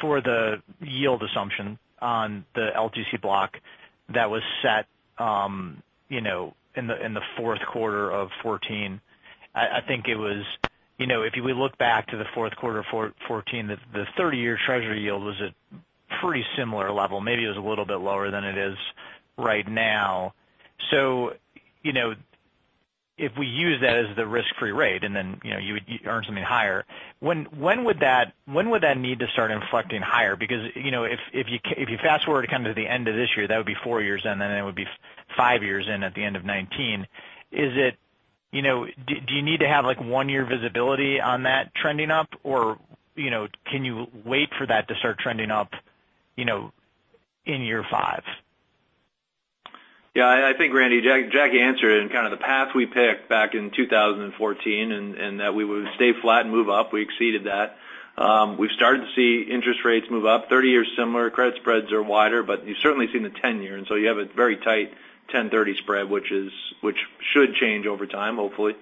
for the yield assumption on the LTC block that was set in the fourth quarter of 2014, if we look back to the fourth quarter of 2014, the 30-year Treasury yield was at pretty similar level. Maybe it was a little bit lower than it is right now. If we use that as the risk-free rate, then you would earn something higher, when would that need to start inflecting higher? Because if you fast-forward to the end of this year, that would be four years in, then it would be five years in at the end of 2019. Do you need to have one-year visibility on that trending up, or can you wait for that to start trending up in year five? Yeah. I think Randy, Jack answered in kind of the path we picked back in 2014, in that we would stay flat and move up. We exceeded that. We've started to see interest rates move up 30-year similar. Credit spreads are wider, but you've certainly seen the 10-year, you have a very tight 10-30 spread, which should change over time, hopefully.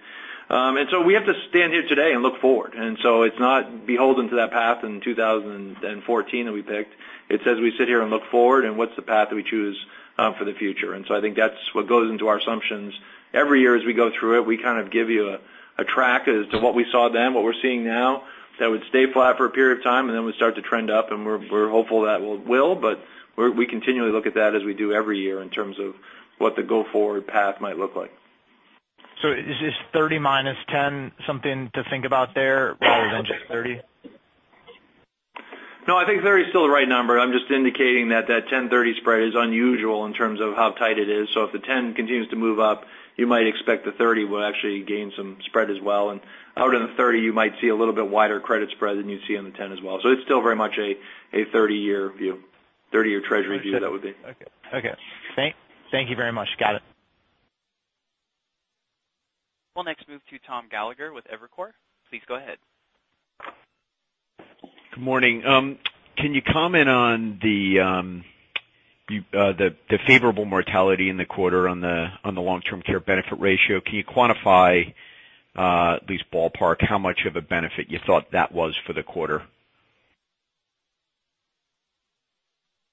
We have to stand here today and look forward. It's not beholden to that path in 2014 that we picked. It's as we sit here and look forward and what's the path that we choose for the future. I think that's what goes into our assumptions. Every year as we go through it, we kind of give you a track as to what we saw then, what we're seeing now, that would stay flat for a period of time, we start to trend up, we're hopeful that will. We continually look at that as we do every year in terms of what the go-forward path might look like. Is this 30 minus 10 something to think about there rather than just 30? No, I think 30 is still the right number. I'm just indicating that that 10-30 spread is unusual in terms of how tight it is. If the 10 continues to move up, you might expect the 30 will actually gain some spread as well. Out of the 30, you might see a little bit wider credit spread than you'd see on the 10 as well. It's still very much a 30-year Treasury view, that would be. Okay. Thank you very much. Got it. We'll next move to Thomas Gallagher with Evercore. Please go ahead. Good morning. Can you comment on the favorable mortality in the quarter on the long-term care benefit ratio? Can you quantify, at least ballpark, how much of a benefit you thought that was for the quarter?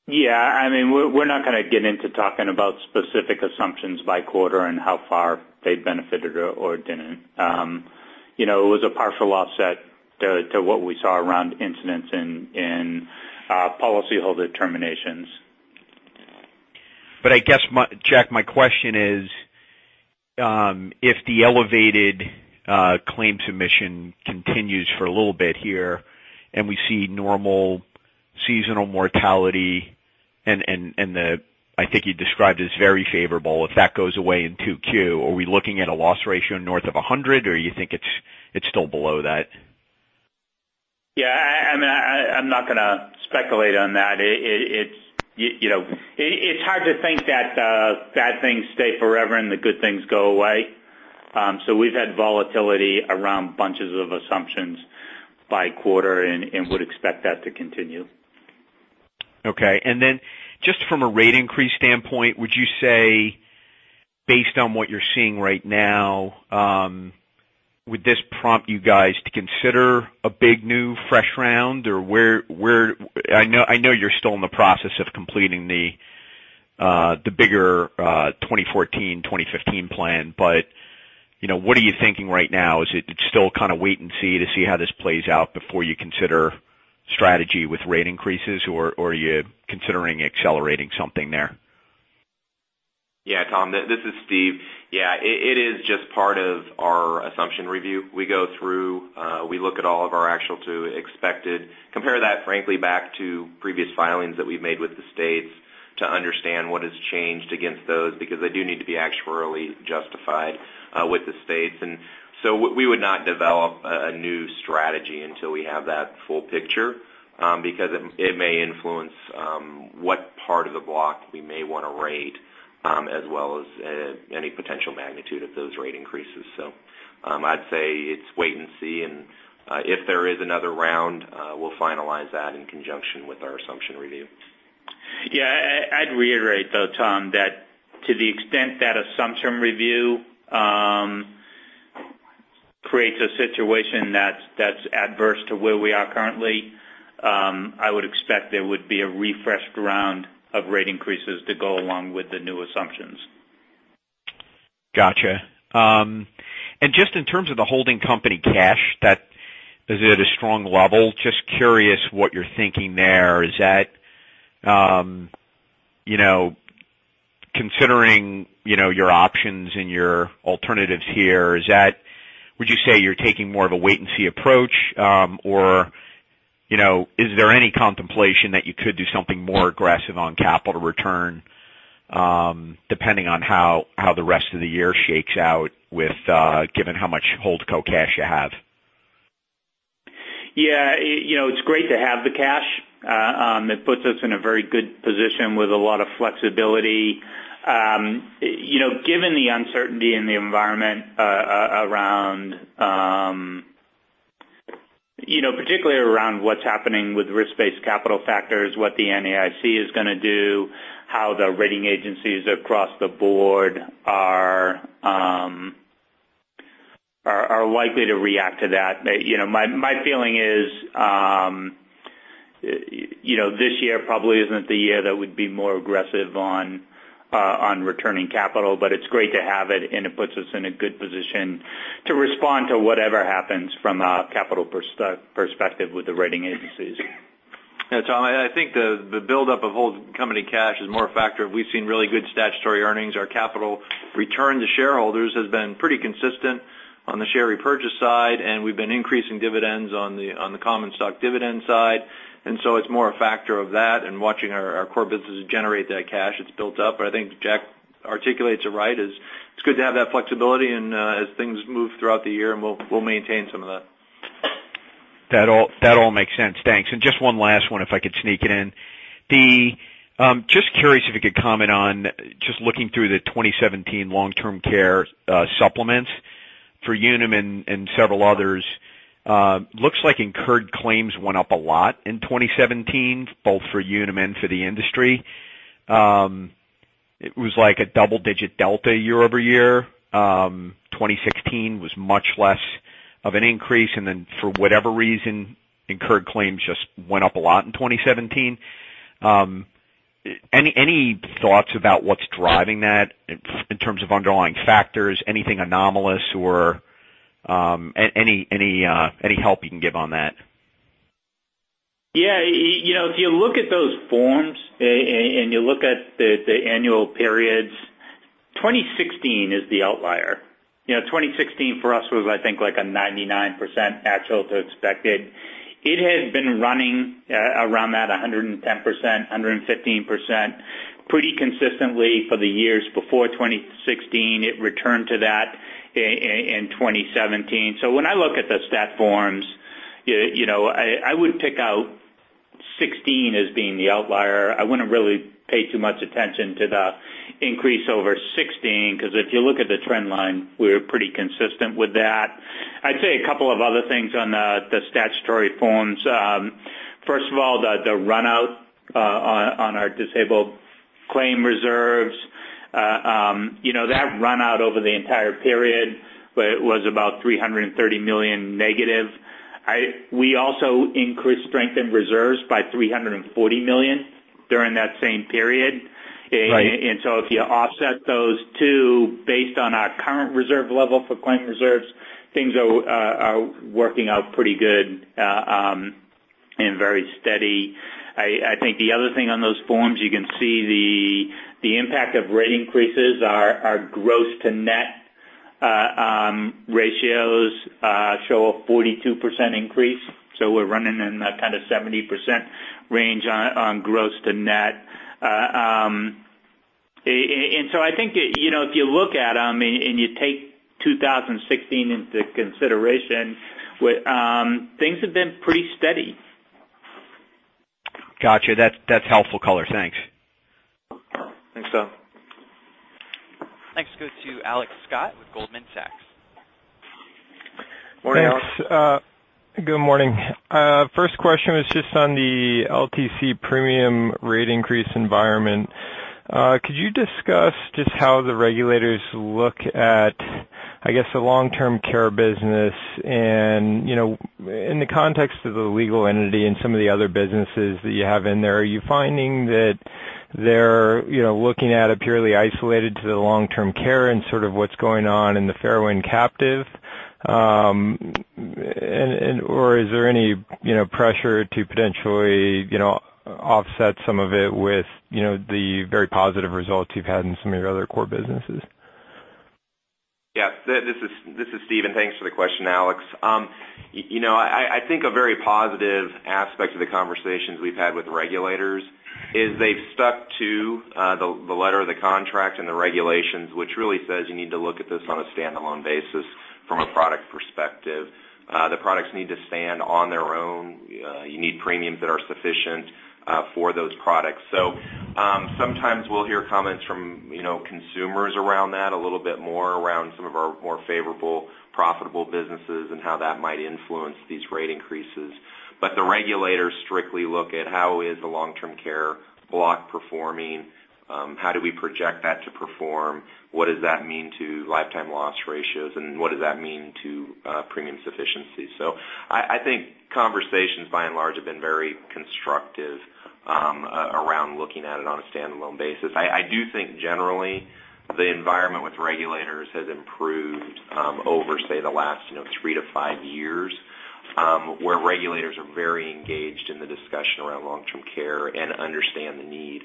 We're not going to get into talking about specific assumptions by quarter and how far they benefited or didn't. It was a partial offset to what we saw around incidents in policyholder terminations. I guess, Jack, my question is, if the elevated claim submission continues for a little bit here and we see normal seasonal mortality and I think you described as very favorable, if that goes away in 2Q, are we looking at a loss ratio north of 100, or you think it's still below that? I'm not going to speculate on that. It's hard to think that bad things stay forever and the good things go away. We've had volatility around bunches of assumptions by quarter and would expect that to continue. Okay. Then just from a rate increase standpoint, would you say, based on what you're seeing right now, would this prompt you guys to consider a big, new, fresh round? I know you're still in the process of completing the bigger 2014-2015 plan, what are you thinking right now? Is it still kind of wait and see to see how this plays out before you consider strategy with rate increases, or are you considering accelerating something there? Tom, this is Steve. It is just part of our assumption review. We go through, we look at all of our actual to expected, compare that frankly back to previous filings that we've made with the states to understand what has changed against those, because they do need to be actuarially justified with the states. We would not develop a new strategy until we have that full picture, because it may influence what part of the block we may want to rate, as well as any potential magnitude of those rate increases. I'd say it's wait and see, and if there is another round, we'll finalize that in conjunction with our assumption review. I'd reiterate, though, Tom, that to the extent that assumption review creates a situation that's adverse to where we are currently, I would expect there would be a refreshed round of rate increases to go along with the new assumptions. Got you. Just in terms of the holding company cash that is at a strong level, just curious what you're thinking there. Considering your options and your alternatives here, would you say you're taking more of a wait and see approach? Is there any contemplation that you could do something more aggressive on capital return, depending on how the rest of the year shakes out, given how much Holdco cash you have? It's great to have the cash. It puts us in a very good position with a lot of flexibility. Given the uncertainty in the environment, particularly around what's happening with risk-based capital factors, what the NAIC is going to do, how the rating agencies across the board are likely to react to that, my feeling is this year probably isn't the year that we'd be more aggressive on returning capital, but it's great to have it, and it puts us in a good position to respond to whatever happens from a capital perspective with the rating agencies. Yeah, Tom, I think the buildup of holding company cash is more a factor of we've seen really good statutory earnings. Our capital return to shareholders has been pretty consistent on the share repurchase side, and we've been increasing dividends on the common stock dividend side. It's more a factor of that and watching our core businesses generate that cash that's built up. I think Jack articulates it right. It's good to have that flexibility as things move throughout the year, and we'll maintain some of that. That all makes sense. Thanks. Just one last one, if I could sneak it in. Just curious if you could comment on just looking through the 2017 long-term care supplements for Unum and several others. Looks like incurred claims went up a lot in 2017, both for Unum and for the industry. It was like a double-digit delta year-over-year. 2016 was much less of an increase, for whatever reason, incurred claims just went up a lot in 2017. Any thoughts about what's driving that in terms of underlying factors, anything anomalous, or any help you can give on that? Yeah. If you look at those forms and you look at the annual periods, 2016 is the outlier. 2016 for us was, I think, like a 99% actual to expected. It had been running around that 110%, 115% pretty consistently for the years before 2016. It returned to that in 2017. When I look at the stat forms, I would pick out '16 as being the outlier. I wouldn't really pay too much attention to the increase over '16, because if you look at the trend line, we're pretty consistent with that. I'd say a couple of other things on the statutory forms. First of all, the run out on our disabled claim reserves that run out over the entire period was about $330 million negative. We also increased strengthened reserves by $340 million during that same period. Right. If you offset those two based on our current reserve level for claim reserves, things are working out pretty good and very steady. I think the other thing on those forms, you can see the impact of rate increases are gross to net ratios show a 42% increase. We're running in the kind of 70% range on gross to net. I think if you look at them, and you take 2016 into consideration, things have been pretty steady. Got you. That's helpful color. Thanks. Thanks, Tom. Thanks. Go to Alex Scott with Goldman Sachs. Morning, Alex. Thanks. Good morning. First question was just on the LTC premium rate increase environment. Could you discuss just how the regulators look at, I guess, the long-term care business and in the context of the legal entity and some of the other businesses that you have in there, are you finding that they're looking at it purely isolated to the long-term care and sort of what's going on in the Fairwind captive? Or is there any pressure to potentially offset some of it with the very positive results you've had in some of your other core businesses? This is Steven. Thanks for the question, Alex. I think a very positive aspect of the conversations we've had with regulators is they've stuck to the letter of the contract and the regulations, which really says you need to look at this on a standalone basis from a product perspective. The products need to stand on their own. You need premiums that are sufficient for those products. Sometimes we'll hear comments from consumers around that a little bit more around some of our more favorable profitable businesses and how that might influence these rate increases. The regulators strictly look at how is the long-term care block performing, how do we project that to perform, what does that mean to lifetime loss ratios, and what does that mean to premium sufficiency. I think conversations by and large have been very constructive around looking at it on a standalone basis. I do think generally the environment with regulators has improved over, say, the last three to five years, where regulators are very engaged in the discussion around long-term care and understand the need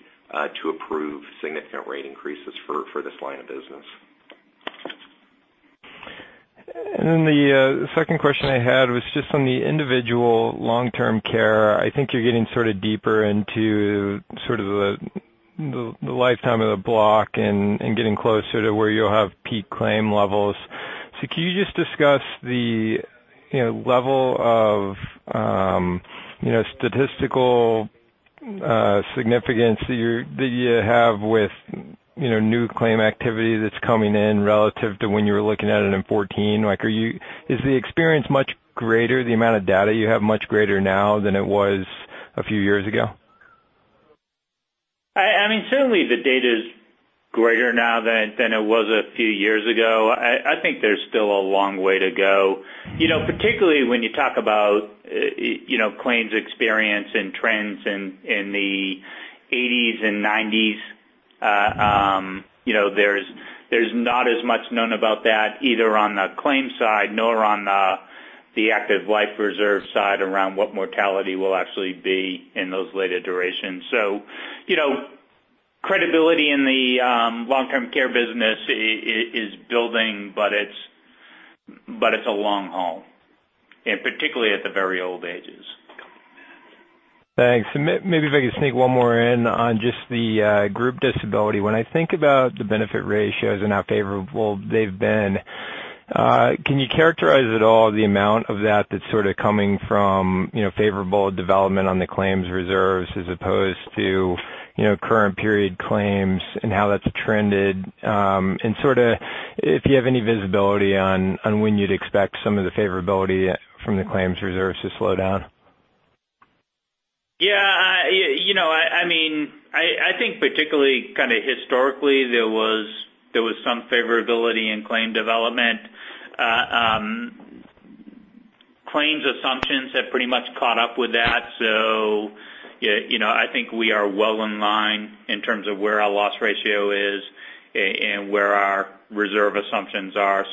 to approve significant rate increases for this line of business. The second question I had was just on the individual long-term care. I think you're getting sort of deeper into the lifetime of the block and getting closer to where you'll have peak claim levels. Can you just discuss the level of statistical significance that you have with new claim activity that's coming in relative to when you were looking at it in 2014? Is the experience much greater, the amount of data you have much greater now than it was a few years ago? Certainly the data's greater now than it was a few years ago. I think there's still a long way to go, particularly when you talk about claims experience and trends in the '80s and '90s. There's not as much known about that either on the claims side nor on the active life reserve side around what mortality will actually be in those later durations. Credibility in the long-term care business is building, but it's a long haul, and particularly at the very old ages. Thanks. Maybe if I could sneak one more in on just the group disability. When I think about the benefit ratios and how favorable they've been, can you characterize at all the amount of that that's sort of coming from favorable development on the claims reserves as opposed to current period claims and how that's trended? If you have any visibility on when you'd expect some of the favorability from the claims reserves to slow down? Yeah. I think particularly kind of historically, there was some favorability in claim development. Claims assumptions have pretty much caught up with that. I think we are well in line in terms of where our loss ratio is and where our reserve assumptions are.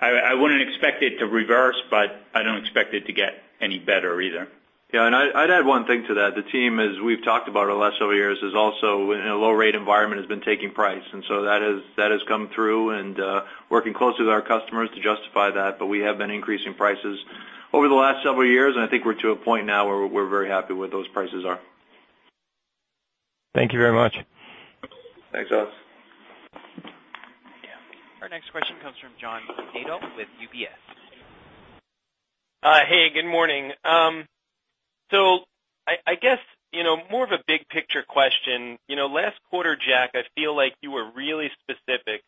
I wouldn't expect it to reverse, but I don't expect it to get any better either. Yeah, I'd add one thing to that. The team, as we've talked about the last several years, is also in a low rate environment has been taking price, and so that has come through, and working closely with our customers to justify that. We have been increasing prices over the last several years, and I think we're to a point now where we're very happy where those prices are. Thank you very much. Thanks, Alex. Our next question comes from John Nadel with UBS. Hey, good morning. I guess more of a big picture question. Last quarter, Jack, I feel like you were really specific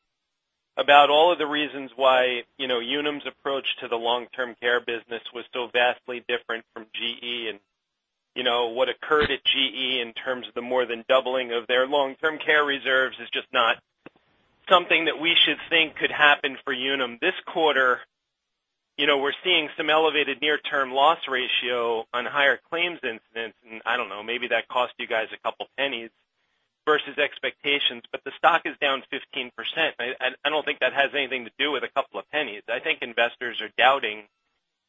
about all of the reasons why Unum's approach to the long-term care business was so vastly different from GE, and what occurred at GE in terms of the more than doubling of their long-term care reserves is just not something that we should think could happen for Unum this quarter. We're seeing some elevated near-term loss ratio on higher claims incidents, I don't know, maybe that cost you guys a couple pennies versus expectations. The stock is down 15%, and I don't think that has anything to do with a couple of pennies. I think investors are doubting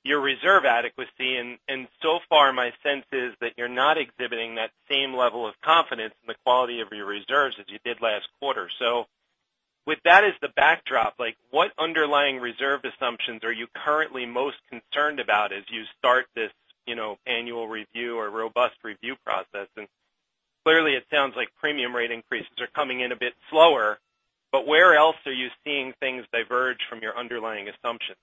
your reserve adequacy, so far my sense is that you're not exhibiting that same level of confidence in the quality of your reserves as you did last quarter. With that as the backdrop, what underlying reserve assumptions are you currently most concerned about as you start this annual review or robust review process? Clearly, it sounds like premium rate increases are coming in a bit slower, but where else are you seeing things diverge from your underlying assumptions?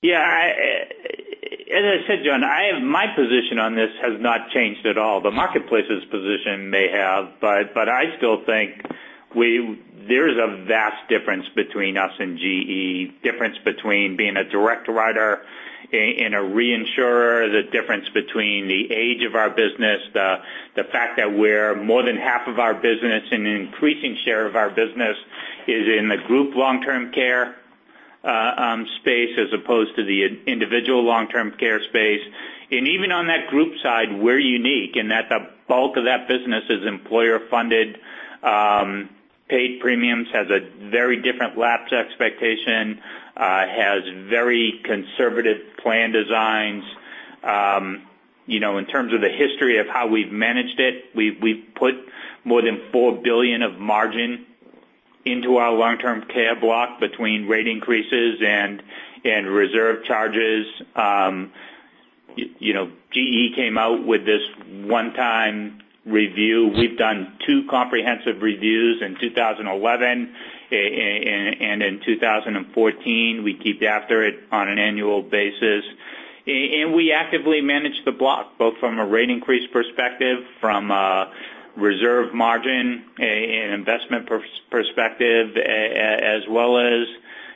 Yeah. As I said, John, my position on this has not changed at all. The marketplace's position may have, but I still think there is a vast difference between us and GE, difference between being a direct writer and a reinsurer, the difference between the age of our business, the fact that more than half of our business and an increasing share of our business is in the group long-term care space as opposed to the individual long-term care space. Even on that group side, we're unique in that the bulk of that business is employer-funded, paid premiums, has a very different lapse expectation, has very conservative plan designs. In terms of the history of how we've managed it, we've put more than $4 billion of margin into our long-term care block between rate increases and reserve charges. GE came out with this One-time review. We've done two comprehensive reviews in 2011 and in 2014. We keep after it on an annual basis. We actively manage the block, both from a rate increase perspective, from a reserve margin and investment perspective, as well as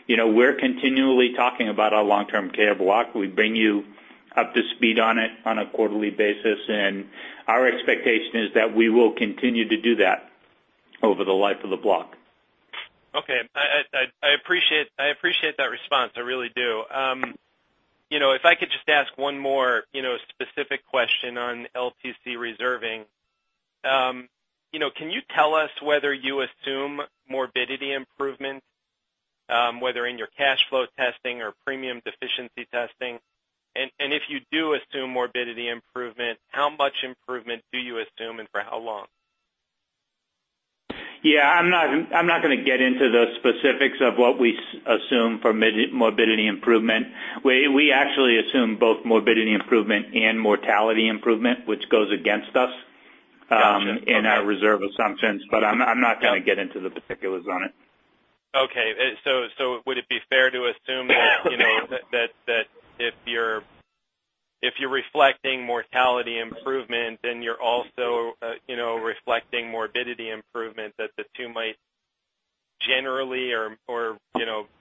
we're continually talking about our long-term care block. We bring you up to speed on it on a quarterly basis, our expectation is that we will continue to do that over the life of the block. Okay. I appreciate that response. I really do. If I could just ask one more specific question on LTC reserving. Can you tell us whether you assume morbidity improvements, whether in your cash flow testing or premium deficiency testing? If you do assume morbidity improvement, how much improvement do you assume, and for how long? Yeah, I'm not going to get into the specifics of what we assume for morbidity improvement. We actually assume both morbidity improvement and mortality improvement, which goes against us- Got you. Okay in our reserve assumptions, I'm not going to get into the particulars on it. Okay. Would it be fair to assume that if you're reflecting mortality improvement, then you're also reflecting morbidity improvement, that the two might generally or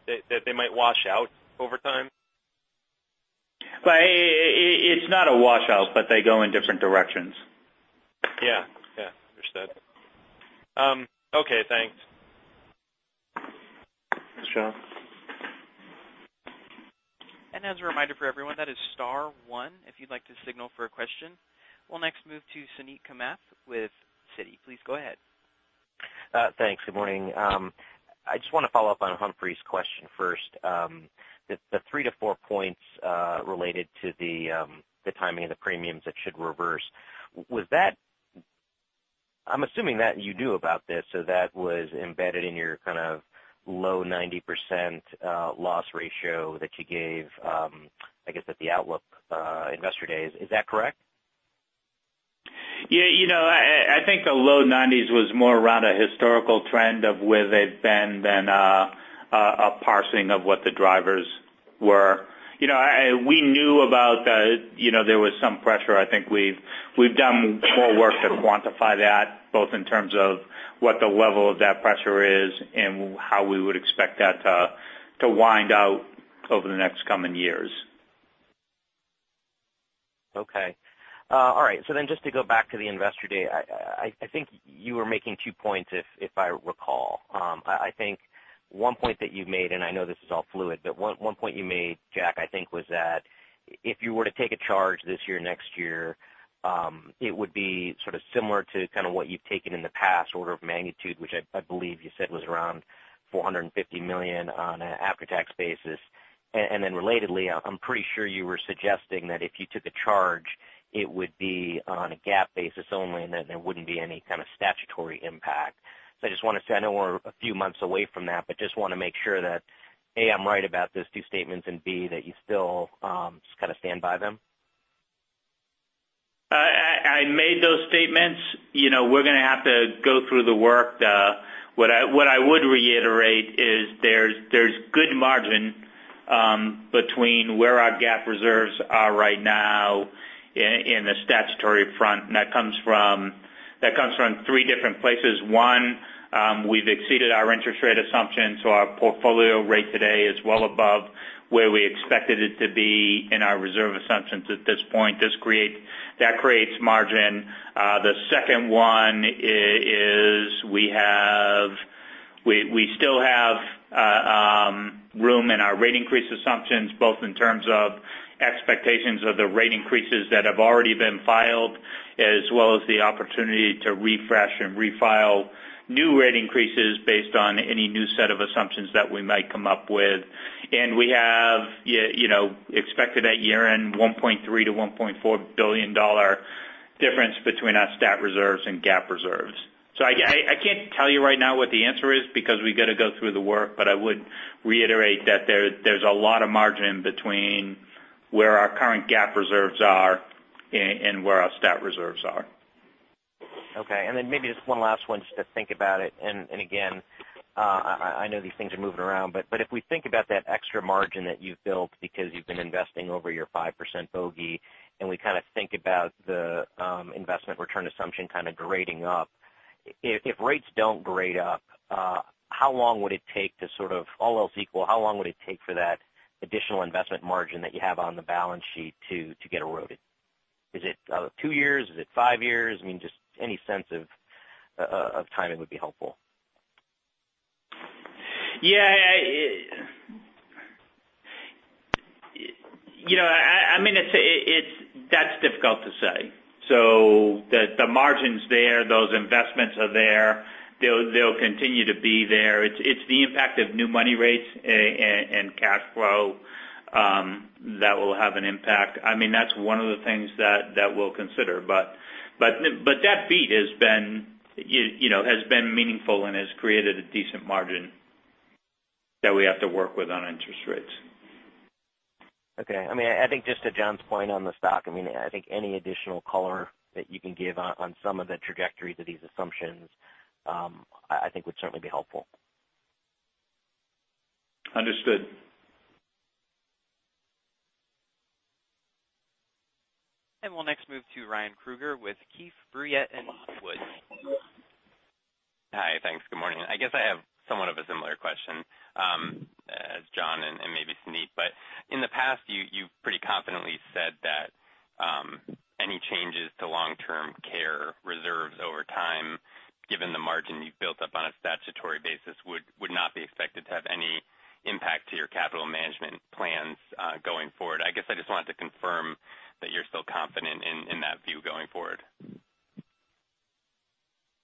that they might wash out over time? It's not a washout, they go in different directions. Yeah. Understood. Okay, thanks. Thanks, John. As a reminder for everyone, that is star one if you'd like to signal for a question. We'll next move to Suneet Kamath with Citi. Please go ahead. Thanks. Good morning. I just want to follow up on Humphrey's question first. The three to four points related to the timing of the premiums that should reverse. I'm assuming that you knew about this, so that was embedded in your kind of low 90% loss ratio that you gave, I guess at the Outlook Investor Day. Is that correct? Yeah. I think the low 90s was more around a historical trend of where they've been than a parsing of what the drivers were. We knew about there was some pressure. I think we've done more work to quantify that, both in terms of what the level of that pressure is and how we would expect that to wind out over the next coming years. Okay. All right. Just to go back to the Investor Day, I think you were making two points, if I recall. I think one point that you made, and I know this is all fluid, but one point you made, Jack, I think was that if you were to take a charge this year, next year, it would be sort of similar to kind of what you've taken in the past, order of magnitude, which I believe you said was around $450 million on an after-tax basis. Relatedly, I'm pretty sure you were suggesting that if you took a charge, it would be on a GAAP basis only and that there wouldn't be any kind of statutory impact. I know we're a few months away from that, but just want to make sure that, A, I'm right about those two statements, and B, that you still just kind of stand by them. I made those statements. We're going to have to go through the work. What I would reiterate is there's good margin between where our GAAP reserves are right now in the statutory front, and that comes from three different places. One, we've exceeded our interest rate assumptions, so our portfolio rate today is well above where we expected it to be in our reserve assumptions at this point. That creates margin. The second one is we still have room in our rate increase assumptions, both in terms of expectations of the rate increases that have already been filed, as well as the opportunity to refresh and refile new rate increases based on any new set of assumptions that we might come up with. We have expected at year-end $1.3 billion-$1.4 billion difference between our stat reserves and GAAP reserves. I can't tell you right now what the answer is because we got to go through the work, but I would reiterate that there's a lot of margin between where our current GAAP reserves are and where our stat reserves are. Okay. Then maybe just one last one just to think about it. Again, I know these things are moving around, but if we think about that extra margin that you've built because you've been investing over your 5% bogey, and we kind of think about the investment return assumption kind of grading up. If rates don't grade up, how long would it take to sort of, all else equal, how long would it take for that additional investment margin that you have on the balance sheet to get eroded? Is it two years? Is it five years? I mean, just any sense of timing would be helpful. Yeah. That's difficult to say. The margin's there, those investments are there. They'll continue to be there. It's the impact of new money rates and cash flow that will have an impact. That's one of the things that we'll consider. That beat has been meaningful and has created a decent margin that we have to work with on interest rates. Okay. I think just to John's point on the stock, I think any additional color that you can give on some of the trajectories of these assumptions, I think would certainly be helpful. Understood. We'll next move to Ryan Krueger with Keefe, Bruyette & Woods. Hi. Thanks. Good morning. I guess I have somewhat of a similar question as John and maybe Suneet, but in the past, you've pretty confidently said that any changes to long-term care reserves over time, given the margin you've built up on a statutory basis, would not be expected to have any impact to your capital management plans going forward. I guess I just wanted to confirm that you're still confident in that view going forward.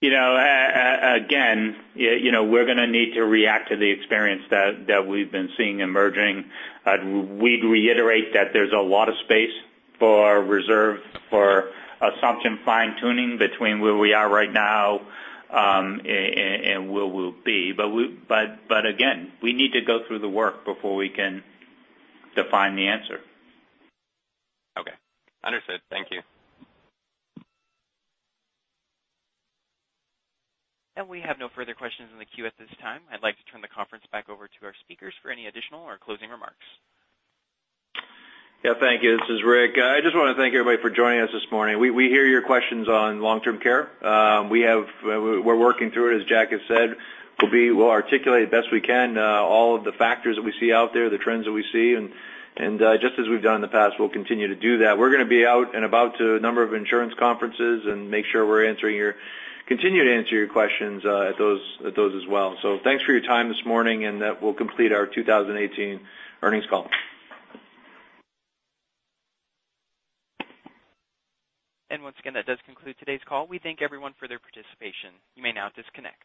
Again, we're going to need to react to the experience that we've been seeing emerging. We'd reiterate that there's a lot of space for reserve for assumption fine-tuning between where we are right now, and where we'll be. Again, we need to go through the work before we can define the answer. Okay. Understood. Thank you. We have no further questions in the queue at this time. I'd like to turn the conference back over to our speakers for any additional or closing remarks. Yeah, thank you. This is Rick. I just want to thank everybody for joining us this morning. We hear your questions on long-term care. We're working through it, as Jack has said. We'll articulate as best we can all of the factors that we see out there, the trends that we see, and just as we've done in the past, we'll continue to do that. We're going to be out and about to a number of insurance conferences and make sure we continue to answer your questions at those as well. Thanks for your time this morning, and that will complete our 2018 earnings call. Once again, that does conclude today's call. We thank everyone for their participation. You may now disconnect.